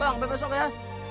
bang sampai besok ya